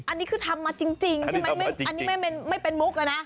อันนี้คือทำมาจริงใช่ไหมอันนี้ไม่เป็นมุกนะ